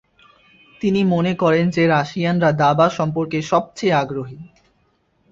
তিনি মনে করেন যে রাশিয়ানরা দাবা সম্পর্কে সবচেয়ে আগ্রহী।